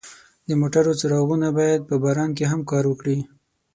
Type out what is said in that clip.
د موټرو څراغونه باید په باران کې هم کار وکړي.